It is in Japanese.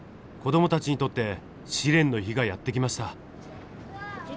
子どもたちにとって試練の日がやって来ました。